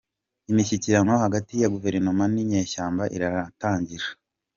Imishyikirano hagati ya Guverinoma n’Inyeshyamba iratangira